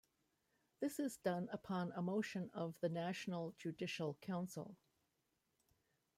This is done upon a motion of the National Judicial Council.